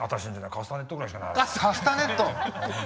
カスタネット！